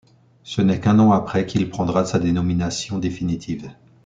Ce n'est qu'un an après qu'il prendra sa dénomination définitive.